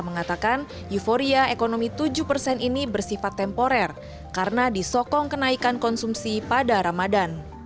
mengatakan euforia ekonomi tujuh persen ini bersifat temporer karena disokong kenaikan konsumsi pada ramadan